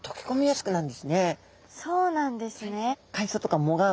そうなんですね。